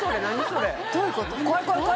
それどういうこと？